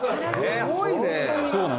すごいね！